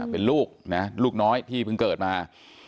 เป็นลูกนะลูกน้อยที่เพิ่งเกิดมา